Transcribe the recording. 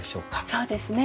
そうですね。